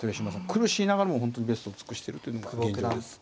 苦しいながらも本当にベストを尽くしてるというのが現状です。